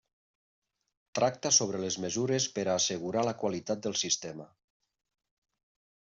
Tracta sobre les mesures per a assegurar la qualitat del Sistema.